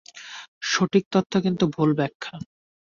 সঠিক তথ্য কিন্তু ভুল ব্যাখ্যা।